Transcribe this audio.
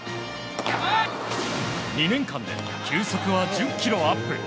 ２年間で球速は１０キロアップ。